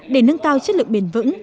để nâng cao chất lượng bền vững